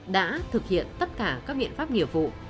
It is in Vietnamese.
đã thực hiện tất cả các biện pháp nghiệp vụ